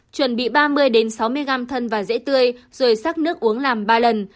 chuẩn bị ba mươi sáu mươi gram thân và dễ tươi rồi sắc nước uống làm ba lần